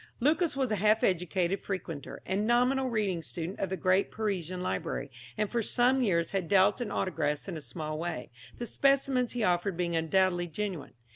Lucas was a half educated frequenter, and nominal reading student of the great Parisian library, and for some years had dealt in autographs in a small way, the specimens he offered being undoubtedly genuine.